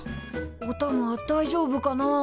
おたまだいじょうぶかなあ。